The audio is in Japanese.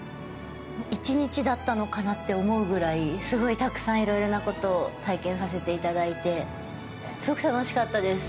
１日だったのかなって思うぐらいすごいたくさんいろいろなことを体験させていただいてすごく楽しかったです。